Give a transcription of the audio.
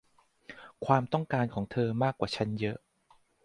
ความต้องการของเธอมากมายกว่าฉันเยอะ